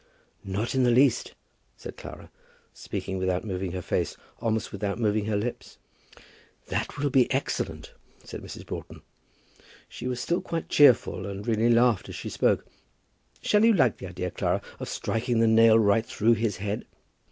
"Not in the least," said Clara, speaking without moving her face almost without moving her lips. "That will be excellent," said Mrs. Broughton. She was still quite cheerful, and really laughed as she spoke. "Shall you like the idea, Clara, of striking the nail right through his head?"